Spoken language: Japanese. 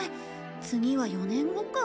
次は４年後か。